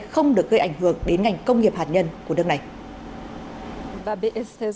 không được gây ảnh hưởng đến ngành công nghiệp hạt nhân của nước này